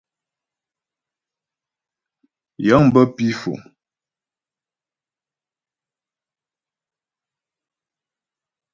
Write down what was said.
Yəŋ bə pǐ Fò.